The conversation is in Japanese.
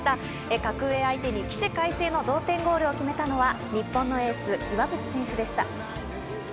格上相手に起死回生の同点ゴールを決めたのは日本のエース・岩渕選手でした。